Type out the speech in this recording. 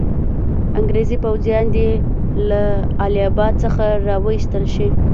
انګریزي پوځیان دي له اله اباد څخه را وایستل شي.